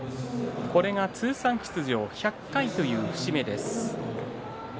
これが通算出場１００回という節目です。